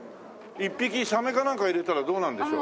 １匹サメかなんか入れたらどうなるんでしょう？